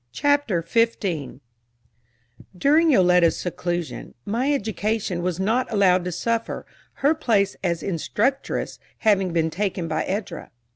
Chapter 15 During Yoletta's seclusion, my education was not allowed to suffer, her place as instructress having been taken by Edra.